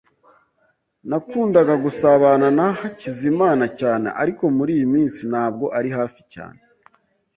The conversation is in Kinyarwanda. Nakundaga gusabana na Hakizimana cyane, ariko muriyi minsi ntabwo ari hafi cyane.